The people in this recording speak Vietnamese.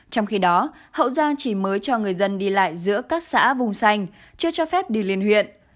trong khi đó hậu giang chỉ mới cho người dân đi lại giữa các xã vùng xanh chưa cho phép đi liên huyện